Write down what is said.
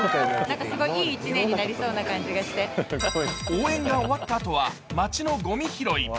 応援が終わったあとは街のごみ拾い。